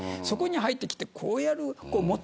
そこに入ってきて、こうやる。